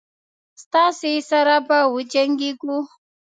ستاسي سره به وجنګیږو.